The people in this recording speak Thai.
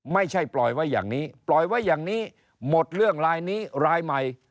ไม่ใช่ปล่อยไว้อย่างนี้ปล่อยไว้อย่างนี้หมดเรื่องรายนี้รายใหม่